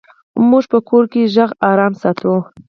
موږ په کور کې غږ آرام ساتو.